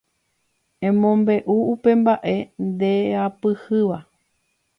Emombe'u upe mba'e ndeapyhýva.